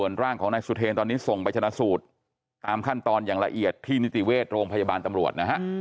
ย้ายของหรือทำลายสมบัติ